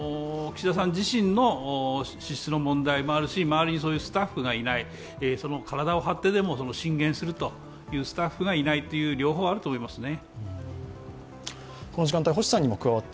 岸田さん自身の資質の問題もあるし、周りにそういうスタッフがいない、体を張ってでも進言するというスタッフがいないという両方があると思いますね。